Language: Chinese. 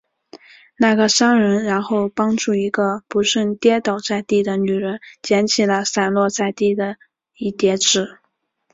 那个商人然后帮助一个不慎跌倒在地的女人捡起了散落在地的一叠纸。